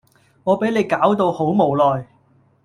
我俾你搞到好無奈